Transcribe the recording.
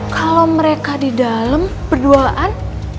kalau mereka di dalam berduaan